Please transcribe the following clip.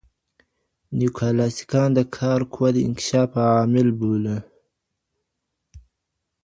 نیوکلاسیکان د کار قوه د انکشاف عامل بولي.